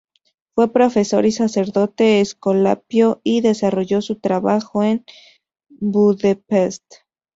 Fue profesor y sacerdote escolapio y desarrolló su trabajo en Budapest.